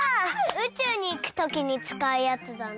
うちゅうにいくときにつかうやつだな。